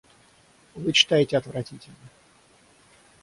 Вы читаете отвратительно.